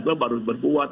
kita baru berbuat